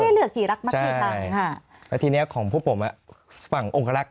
ว่าเลือกที่รักมากที่ชั้นค่ะแล้วทีนี้ของผู้ผมฝั่งองค์คลักษณ์